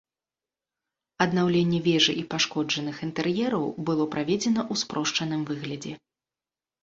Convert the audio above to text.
Аднаўленне вежы і пашкоджаных інтэр'ераў было праведзена ў спрошчаным выглядзе.